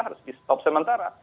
harus di stop sementara